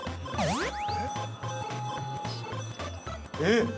◆えっ？